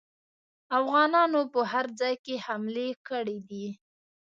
افغانانو په هر ځای کې حملې کړي دي.